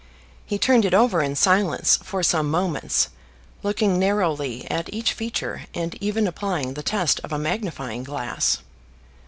He turned it over in silence for some moments, looking narrowly at each feature, and even applying the test of a magnifying glass.